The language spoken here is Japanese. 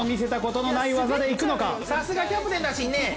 さすがキャプテンだしんね。